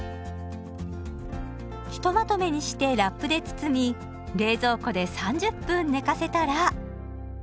ひとまとめにしてラップで包み冷蔵庫で３０分寝かせたら。